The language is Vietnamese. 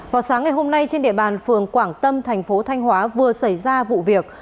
vào sáng ngày hôm nay trên địa bàn phường quảng tâm thành phố thanh hóa vừa xảy ra vụ việc